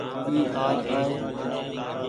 اي آج آئي۔